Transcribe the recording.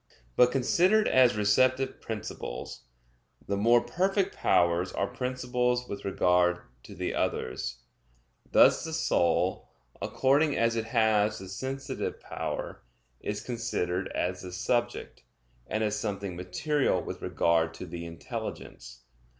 But considered as receptive principles, the more perfect powers are principles with regard to the others; thus the soul, according as it has the sensitive power, is considered as the subject, and as something material with regard to the intelligence.